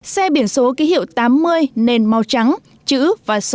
xe biển số ký hiệu tám mươi nền màu trắng chữ và số màu trắng